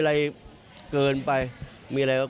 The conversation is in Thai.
แต่เราดูแล้ว